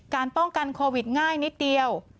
ป้องกันโควิดง่ายนิดเดียว